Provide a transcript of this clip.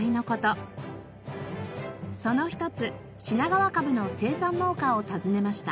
その一つ品川カブの生産農家を訪ねました。